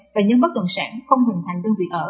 và nhân bất đồn sản không hình thành đơn vị ở